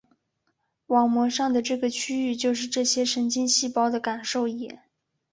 网膜上的这个区域就是这些神经细胞的感受野。